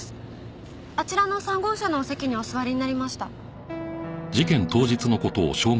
あちらの３号車のお席にお座りになりました。